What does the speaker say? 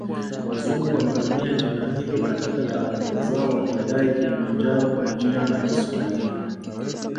Wazungu walitumia jina hilo katika taarifa zao wakidai Kilimanjaro ni jina la Kiswahili